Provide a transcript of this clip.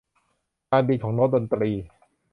การบินของโน้ตดนตรี